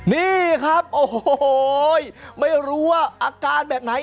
นี่ครับโอ้โหไม่รู้ว่าอาการแบบไหน